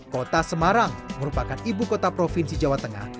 kota semarang merupakan ibu kota provinsi jawa tengah